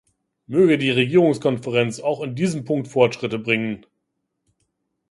Möge die Regierungskonferenz auch in diesem Punkt Fortschritte bringen.